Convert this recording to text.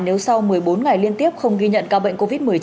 nếu sau một mươi bốn ngày liên tiếp không ghi nhận ca bệnh covid một mươi chín